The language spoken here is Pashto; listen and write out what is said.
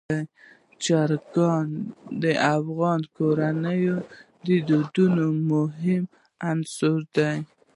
چرګان د افغان کورنیو د دودونو مهم عنصر دی.